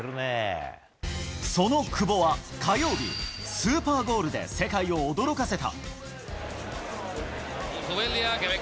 その久保は火曜日、スーパーゴールで世界を驚かせた。